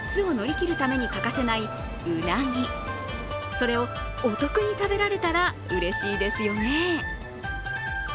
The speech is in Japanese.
それを、お得に食べられたらうれしいですよね。